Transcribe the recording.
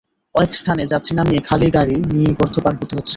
অনেক স্থানে যাত্রী নামিয়ে খালি গাড়ি নিয়ে গর্ত পার হতে হচ্ছে।